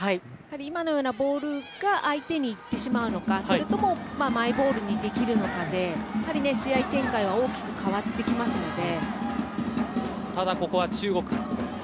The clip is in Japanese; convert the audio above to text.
今のようなボールが相手にいってしまうのかそれともマイボールにできるのかで試合展開は大きく変わってきますので。